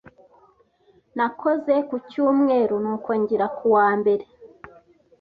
Nakoze ku cyumweru, nuko ngira kuwa mbere.